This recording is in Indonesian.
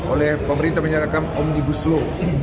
oleh pemerintah menyatakan omnibus law